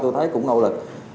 tôi thấy cũng nỗ lực